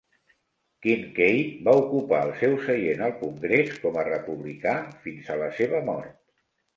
Kinkaid va ocupar el seu seient al congrés com a republicà fins a la seva mort.